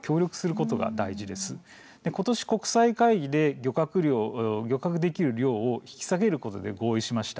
ことし国際会議で漁獲できる量を引き下げることで合意しました。